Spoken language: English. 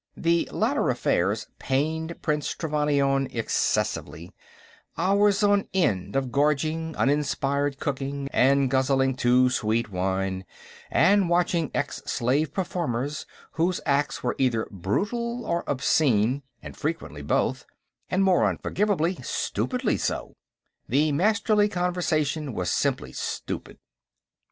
The latter affairs pained Prince Trevannion excessively hours on end of gorging uninspired cooking and guzzling too sweet wine and watching ex slave performers whose acts were either brutal or obscene and frequently both, and, more unforgivable, stupidly so. The Masterly conversation was simply stupid.